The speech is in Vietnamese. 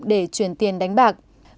để chuyển tiền cho hoàng anh